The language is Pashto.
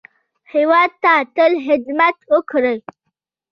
هېواد ته تل خدمت وکړئ